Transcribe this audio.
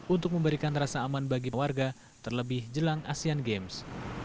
untuk memberikan rasa aman bagi warga terlebih jelang asean games